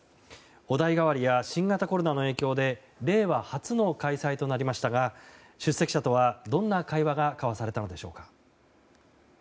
お代替わりや新型コロナの影響で令和初の開催となりましたが出席者とは、どんな会話が交わされたのでしょうか。